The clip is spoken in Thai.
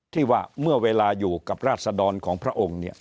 ที่ว่าเมื่อเวลาอยู่กับราศดรของพระองค์